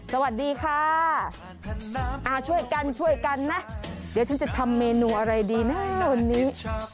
สวัสดีค่ะช่วยกันช่วยกันนะเดี๋ยวฉันจะทำเมนูอะไรดีนะตอนนี้